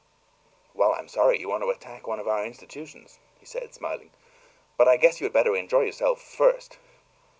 "Well, I'm sorry you want to attack one of our institutions," he said, smiling. "But I guess you had better enjoy yourself FIRST!"